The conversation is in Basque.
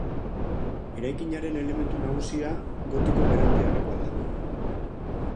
Eraikinaren elementu nagusia gotiko berantiarrekoa da.